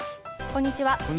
こんにちは。